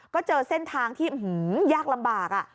ก็เจอเส้นทางที่หื้มยากลำบากอ่ะ